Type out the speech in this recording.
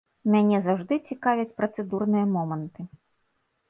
Мяне заўжды цікавяць працэдурныя моманты.